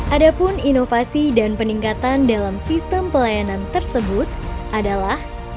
ada pun inovasi dan peningkatan dalam sistem pelayanan tersebut adalah